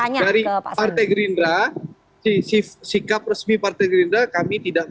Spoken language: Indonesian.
tapi jelas dari partai gerindra sikap resmi partai gerindra kan sudah diundang